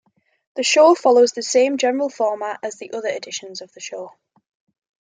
The show follows the same general format as the other editions of the show.